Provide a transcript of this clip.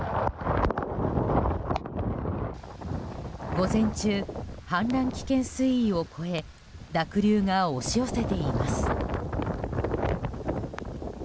午前中、氾濫危険水位を超え濁流が押し寄せています。